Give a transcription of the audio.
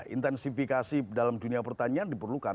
intensifikasi dalam dunia pertanian diperlukan